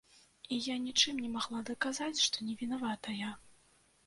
І я нічым не магла даказаць, што не вінаватая.